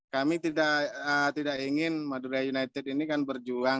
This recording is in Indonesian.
kami tidak ingin madura united ini kan berjuang